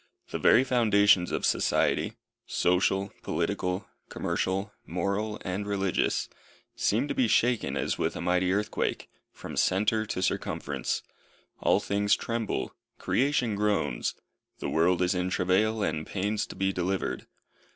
The very foundations of society social, political, commercial, moral and religious, seem to be shaken as with a mighty earthquake, from centre to circumference. All things tremble; creation groans; the world is in travail, and pains to be delivered.